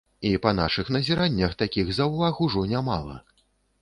І, па нашых назіраннях, такіх заўваг ужо нямала.